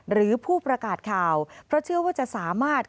หรือผู้ประกาศข่าวเพราะเชื่อว่าจะสามารถ